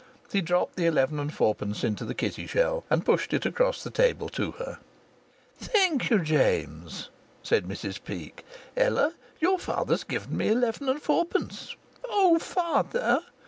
He dropped the eleven and fourpence into the kitty shell, and pushed it across the table to her. "Thank you, James," said Mrs Peake. "Ella, your father's given me eleven and fourpence." "Oh, father!"